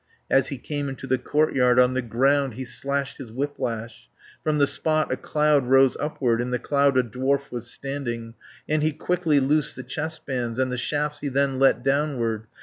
As he came into the courtyard, On the ground he slashed his whiplash, 380 From the spot a cloud rose upward, In the cloud a dwarf was standing, And he quickly loosed the chest bands, And the shafts he then let downward.